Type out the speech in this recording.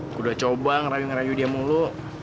aku udah coba ngerayu ngerayu dia mulu